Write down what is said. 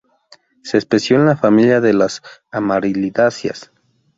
Se especializó en la familia de las amarilidáceas.